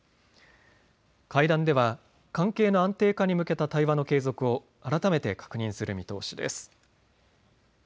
会談では関係の安定化に向けた対話の継続を改めて確認する見通しです。